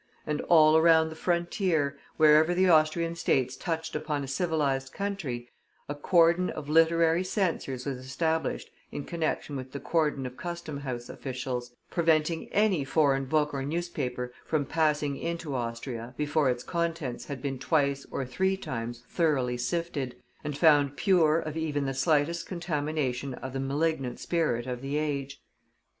And all around the frontier, wherever the Austrian States touched upon a civilized country, a cordon of literary censors was established in connection with the cordon of customhouse officials, preventing any foreign book or newspaper from passing into Austria before its contents had been twice or three times thoroughly sifted, and found pure of even the slightest contamination of the malignant spirit of the age.